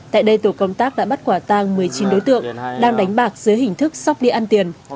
tại đây tổ công tác đã bắt quả tang một mươi chín đối tượng đang đánh bạc dưới hình thức sóc địa ăn tiền